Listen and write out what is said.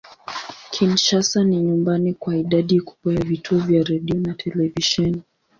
Kinshasa ni nyumbani kwa idadi kubwa ya vituo vya redio na televisheni.